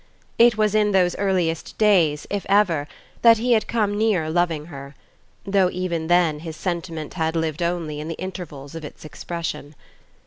It was in those earliest days, if ever, that he had come near loving her; though even then his sentiment had lived only in the intervals of its expression.